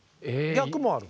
逆もある？